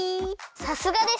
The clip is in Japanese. さすがです！